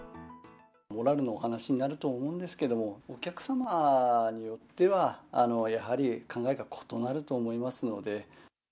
モラルのお話になると思うんですけど、お客様によっては、やはり考えが異なると思いますので。